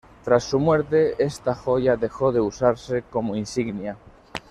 Tras su muerte, esta joya dejó de usarse como insignia.